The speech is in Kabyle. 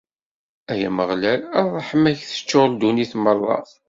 Ay Ameɣlal, ṛṛeḥma-k teččur ddunit merra.